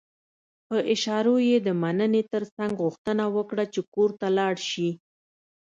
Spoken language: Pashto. په اشارو يې د مننې ترڅنګ غوښتنه وکړه چې کور ته لاړ شي.